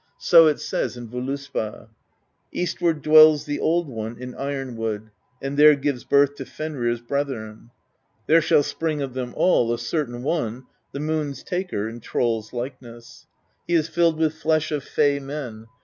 So it says in Voluspa: Eastward dwells the Old One in Ironwood, And there gives birth to Fenrir's brethren; There shall spring of them all a certain one, The moon's taker in troll's likeness. He is filled with flesh of fey men.